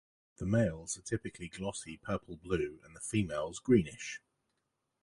The males are typically glossy purple-blue and the females greenish.